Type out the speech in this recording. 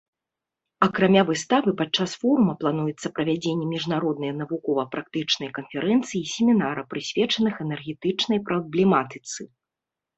Акрамя выставы, падчас форума плануецца правядзенне міжнароднай навукова-практычнай канферэнцыі і семінара, прысвечаных энергетычнай праблематыцы.